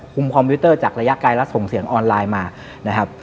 คอมพิวเตอร์จากระยะไกลและส่งเสียงออนไลน์มานะครับ